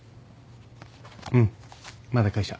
うんまだ会社。